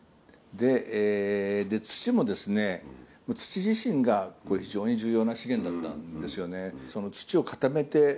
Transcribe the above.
土も土自身が非常に重要な資源だったんですよね。